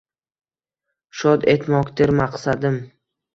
Shod etmokdir maqsadim.